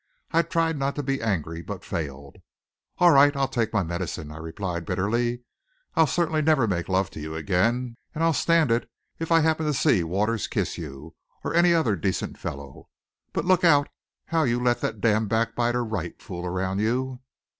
I tried not to be angry, but failed. "All right. I'll take my medicine," I replied bitterly. "I'll certainly never make love to you again. And I'll stand it if I happen to see Waters kiss you, or any other decent fellow. But look out how you let that damned backbiter Wright fool around you!"